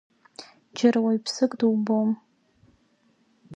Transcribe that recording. Џьара уаҩԥсык дубом.